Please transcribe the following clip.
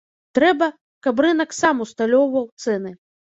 Трэба, каб рынак сам усталёўваў цэны.